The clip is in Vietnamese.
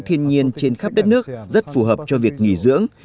thiên nhiên trên khắp đất nước rất phù hợp cho việc nghỉ dưỡng